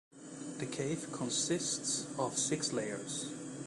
The cave consists of six layers.